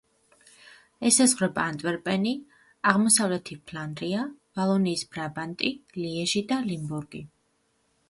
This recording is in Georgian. ესაზღვრება ანტვერპენი, აღმოსავლეთი ფლანდრია, ვალონიის ბრაბანტი, ლიეჟი და ლიმბურგი.